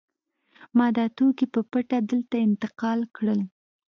ما دا توکي په پټه دلته انتقال کړل